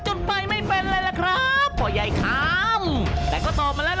กลับเงิน๒๐๐๐๐บาทเข้ากระเป๋ากันไปเลย